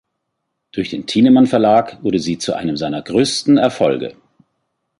Durch den Thienemann Verlag wurde sie zu einem seiner größten Erfolge.